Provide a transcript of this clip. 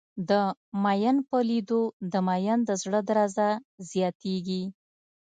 د ميئن په لېدو د ميئن د زړه درزه زياتېږي.